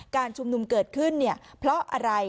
การชุมนุมเกิดขึ้นเนี่ยเพราะอะไร